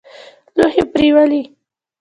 لوښي پرېولي.